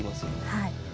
はい。